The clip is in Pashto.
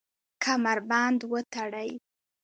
کمربند وتړئ